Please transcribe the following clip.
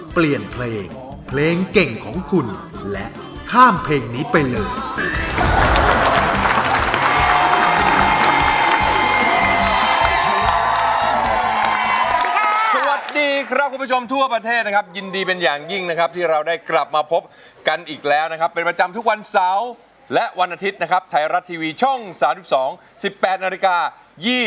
เปลี่ยนเพลงเพลงเก่งของคุณและข้ามเพลงนี้ไปเลย